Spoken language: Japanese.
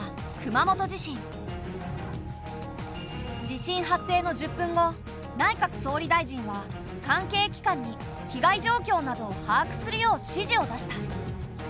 地震発生の１０分後内閣総理大臣は関係機関に被害状況などを把握するよう指示を出した。